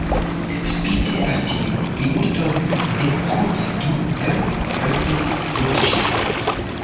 Spite al tio, plimulto de Pont du Gard restis netuŝita.